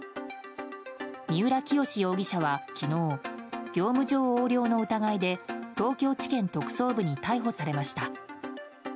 三浦清志容疑者は昨日業務上横領の疑いで東京地検特捜部に逮捕されました。